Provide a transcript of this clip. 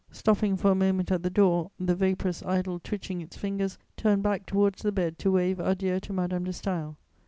Stopping for a moment at the door, "the vaporous idol twitching its fingers" turned back towards the bed to wave adieu to Madame de Staël.